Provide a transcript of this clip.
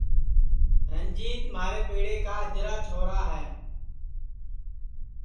رنجیت مھارے پیڑے کا اجرا چھورا ہے